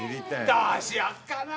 どうしよっかな？